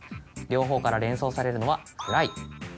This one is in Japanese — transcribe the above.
両方から連想されるのは「フライ」。